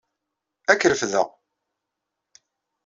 Ad k-refdeɣ.